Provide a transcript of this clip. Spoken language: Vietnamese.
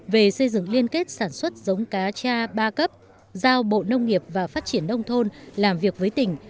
về xây dựng liên kết sản xuất giống cá tra ba cấp giao bộ nông nghiệp và phát triển nông thôn làm việc với tỉnh